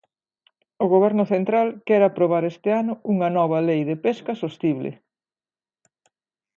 O Goberno central quere aprobar este ano unha nova lei de pesca sostible.